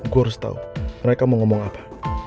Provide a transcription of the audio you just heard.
gue harus tahu mereka mau ngomong apa